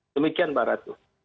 demikian mbak ratu